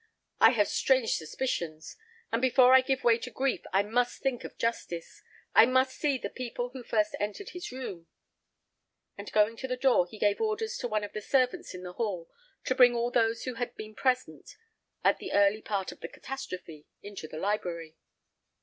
I have strange suspicions; and before I give way to grief I must think of justice. I must see the people who first entered his room;" and going to the door, he gave orders to one of the servants in the hall to bring all those who had been present at the early part of the catastrophe into the library.